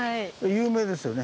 有名ですよね。